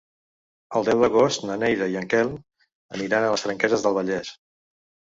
El deu d'agost na Neida i en Quel aniran a les Franqueses del Vallès.